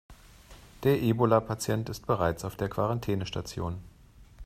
Der Ebola-Patient ist bereits auf der Quarantänestation.